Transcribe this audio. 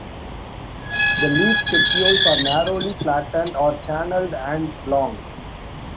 The leaf petioles are narrowly flattened or channelled and long.